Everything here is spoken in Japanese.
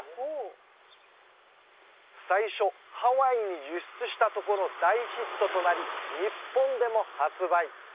最初ハワイに輸出したところ大ヒットとなり日本でも発売